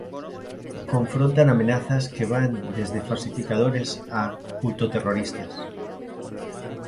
Confrontan amenazas que van desde falsificadores a culto-terroristas.